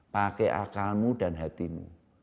pakai akalmu dan hatimu